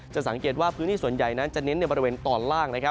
สังเกตว่าพื้นที่ส่วนใหญ่นั้นจะเน้นในบริเวณตอนล่าง